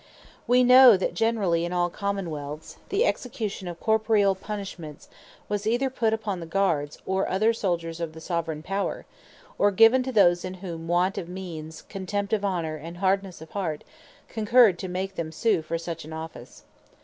Wee know that generally in all Common wealths, the Execution of Corporeall Punishments, was either put upon the Guards, or other Souldiers of the Soveraign Power; or given to those, in whom want of means, contempt of honour, and hardnesse of heart, concurred, to make them sue for such an Office.